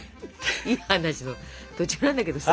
いい話の途中なんだけどさ。